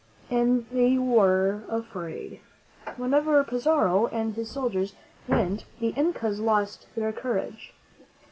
And they were afraid. Wherever Pizarro and his soldiers went, the Incas lost their courage.